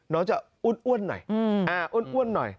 น้องจะอุ้นอ้วนหน่อย